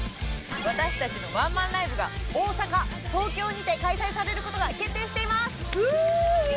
私たちのワンマンライブが大阪東京にて開催されることが決定していますフーウ！